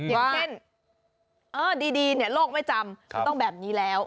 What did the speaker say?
อย่างเช่นดีเนี่ยโลกไม่จำก็ต้องแบบนี้แล้ว